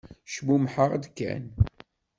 Cmumḥeɣ-d kan.